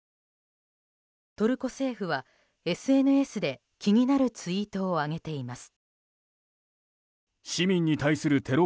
トルコ政府は、ＳＮＳで気になるツイートを上げています。